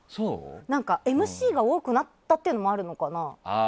なんかＭＣが多くなったっていうのもあるのかな。